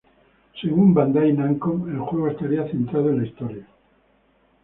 Según Bandai Namco, el juego estaría centrado en la historia.